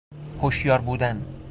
هشیار بودن